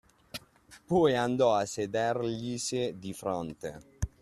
Poi andò a sederglisi di fronte.